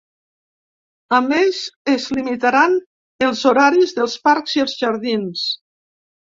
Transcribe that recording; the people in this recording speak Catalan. A més, es limitaran els horaris dels parcs i els jardins.